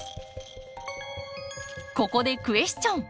ここでクエスチョン！